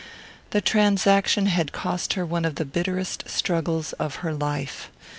The transaction had cost her one of the bitterest struggles of her life.